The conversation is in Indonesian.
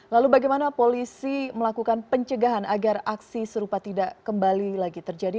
lalu bagaimana polisi melakukan pencegahan agar aksi serupa tidak kembali lagi terjadi